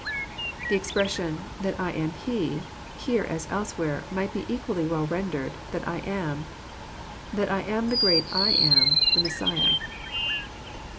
The expression '< that I am he," here as elsewhere, might be equally well rendered " that I am ;" that I am the great " I AM," the Messiah.